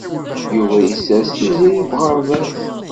Yuba yessers Tiziri deg uɣerbaz.